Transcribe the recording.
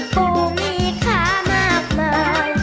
ผู้มีค่ามากมาย